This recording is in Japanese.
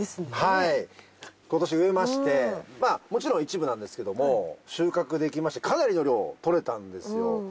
今年植えましてもちろん一部なんですけども収穫できましてかなりの量取れたんですよ。